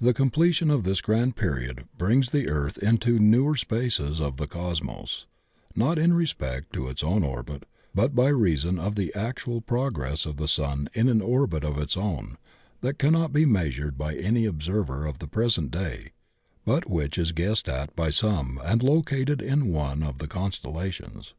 The completion of this grand period brings the earth into newer spaces of the cosmos, not in respect to its own orbit, but by reason of the actual progress of the sun in an orbit of its own that cannot be measured by any observer of the present day, but which is guessed at by some and located in one of the constellations.